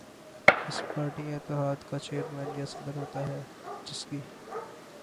اس party یا اتحاد کا چیئرمین یا صدر ہوتا ہے جس کی